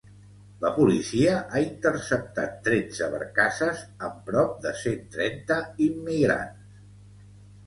La policia ha interceptat tretze barcasses amb prop de cent trenta immigrants